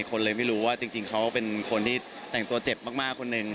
คนเลยไม่รู้ว่าจริงเขาเป็นคนที่แต่งตัวเจ็บมากคนหนึ่ง